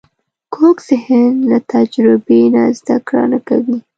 کوږ ذهن له تجربې نه زده کړه نه کوي